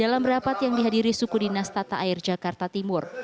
dalam rapat yang dihadiri suku dinas tata air jakarta timur